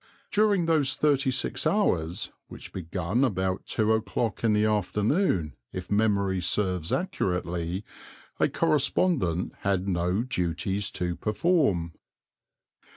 During those thirty six hours, which begun about two o'clock in the afternoon, if memory serves accurately, a correspondent had no duties to perform.